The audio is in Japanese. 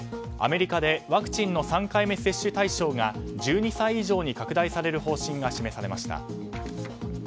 アメリカでワクチンの３回目接種対象が１２歳以上に拡大される方針が示されました。